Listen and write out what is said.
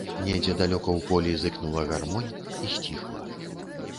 Недзе далёка ў полі зыкнула гармонь і сціхла.